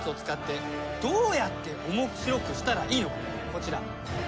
こちら。